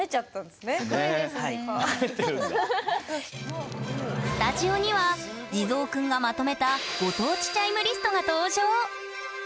スタジオには地蔵くんがまとめたご当地チャイムリストが登場！